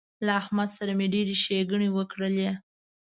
له احمد سره مې ډېرې ښېګڼې وکړلې